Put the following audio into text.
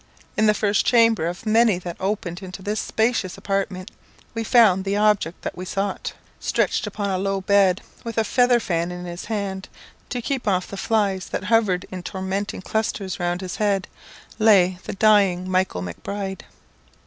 In the first chamber of many that opened into this spacious apartment we found the object that we sought. Stretched upon a low bed, with a feather fan in his hand, to keep off the flies that hovered in tormenting clusters round his head, lay the dying Michael Macbride.